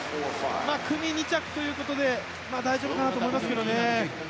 組２着ということで大丈夫かなと思いますけどね。